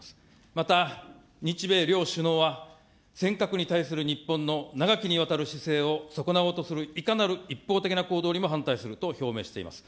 また日米両首脳は、尖閣に対する日本の長きにわたる姿勢を損なおうとするいかなる一方的な行動にも反対すると表明しています。